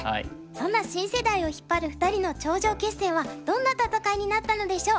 そんな新世代を引っ張る２人の頂上決戦はどんな戦いになったのでしょう。